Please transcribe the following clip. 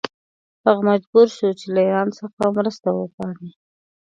هغه مجبور شو چې له ایران څخه مرسته وغواړي.